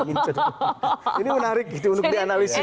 ini menarik gitu untuk dianalisis